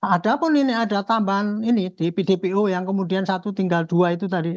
ada pun ini ada tambahan ini di pdpu yang kemudian satu tinggal dua itu tadi